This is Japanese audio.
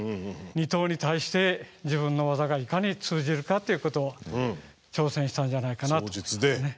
二刀に対して自分の技がいかに通じるかっていうことを挑戦したんじゃないかなと思いますね。